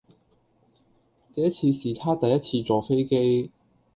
這次是她第一次坐飛機。